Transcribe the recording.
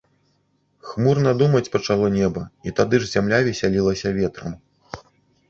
Хмурна думаць пачало неба, і тады ж зямля весялілася ветрам.